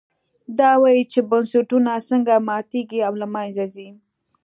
دا وایي چې بنسټونه څنګه ماتېږي او له منځه ځي.